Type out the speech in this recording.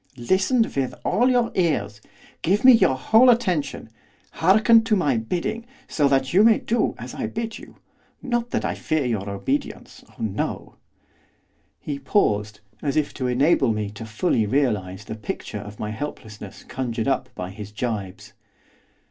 'Listen with all your ears. Give me your whole attention. Hearken to my bidding, so that you may do as I bid you. Not that I fear your obedience, oh no!' He paused, as if to enable me to fully realise the picture of my helplessness conjured up by his jibes.